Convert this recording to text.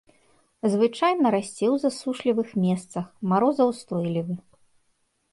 Звычайна расце ў засушлівых месцах, марозаўстойлівы.